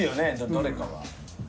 どれかは。